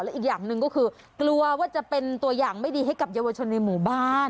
อีกอย่างหนึ่งก็คือกลัวว่าจะเป็นตัวอย่างไม่ดีให้กับเยาวชนในหมู่บ้าน